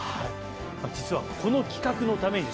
実はこの企画のためにですね